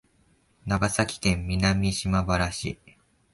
長崎県南島原市